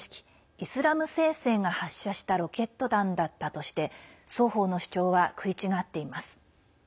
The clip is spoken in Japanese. イスラム聖戦が発射したロケット弾だったとして双方の主張は食い違っています。